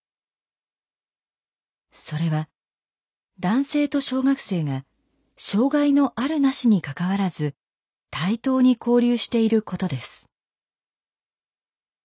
それは男性と小学生が障害のあるなしに関わらず対等に交流していることです。